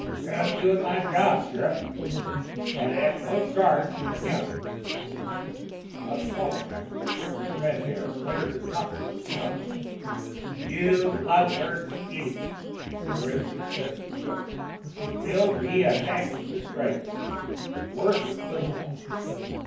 "Jest doin' my job, Sheriff. And at no charge to the county." A smaller man with bristly red hair flared his nostrils at Stump. "You blood thirsty idiot!" He raised a fist and shook it. "We'll be a national disgrace worse than Little Rock!